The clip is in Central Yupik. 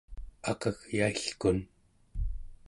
akagyailkun